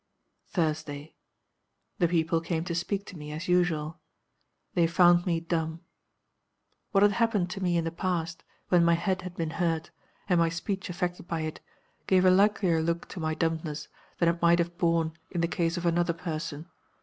"Thursday. The people came to speak to me, as usual. They found me dumb. "What had happened to me in the past, when my head had been hurt, and my speech affected by it, gave a likelier look to my dumbness than it might have borne in the case of another person.